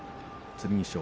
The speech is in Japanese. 剣翔